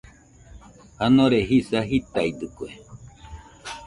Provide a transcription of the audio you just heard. Janore jisa jitaidɨkue.